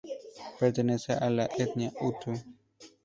Pertenece a la etnia hutu.